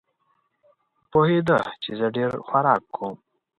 پوهېده چې زه ډېر خوراک کوم.